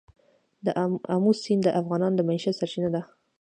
آمو سیند د افغانانو د معیشت سرچینه ده.